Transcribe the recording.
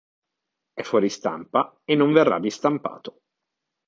È fuori stampa e non verrà ristampato.